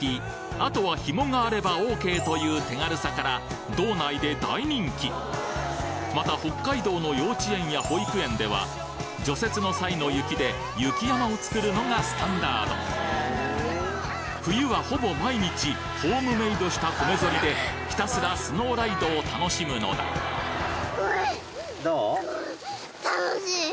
あとはひもがあればオーケーという手軽さから道内で大人気また北海道の幼稚園や保育園では除雪の際の雪で雪山を作るのがスタンダード冬はほぼ毎日ホームメイドした米ゾリでひたすらスノーライドを楽しむのだどう？